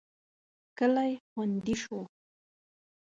کلی خوندي شو.